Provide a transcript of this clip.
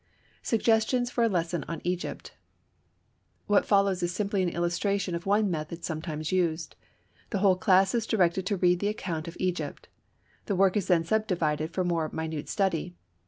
Suggestions for a Lesson on Egypt. What follows is simply an illustration of one method sometimes used. The whole class is directed to read the account of Egypt. The work is then subdivided for more minute study.